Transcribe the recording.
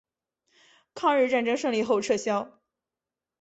抗日战争胜利后撤销。